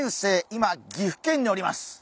今岐阜県におります！